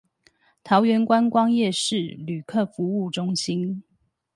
桃園觀光夜市旅客服務中心